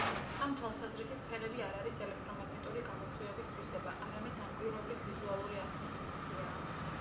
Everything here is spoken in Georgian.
ამ თვალსაზრისით, ფერები არ არის ელექტრომაგნიტური გამოსხივების თვისება, არამედ დამკვირვებლის ვიზუალური აღქმის ფუნქციაა.